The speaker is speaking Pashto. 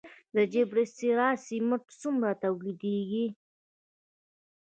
د جبل السراج سمنټ څومره تولیدیږي؟